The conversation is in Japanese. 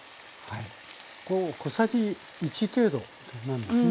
小さじ１程度なんですね。